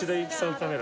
カメラ。